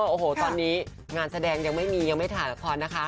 โอ้โหตอนนี้งานแสดงยังไม่มียังไม่ถ่ายละครนะคะ